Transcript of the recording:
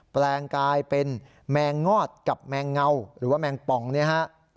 แปลงกลายเป็นแมงงอดกับแมงเงาหรือว่าแมงป่องเนี่ยฮะ